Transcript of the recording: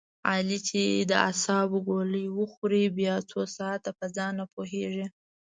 علي چې د اعصابو ګولۍ و خوري بیا څو ساعته په ځان نه پوهېږي.